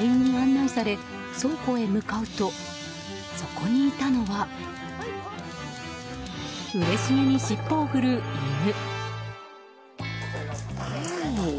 店員に案内され、倉庫へ向かうとそこにいたのはうれしげに尻尾を振る犬。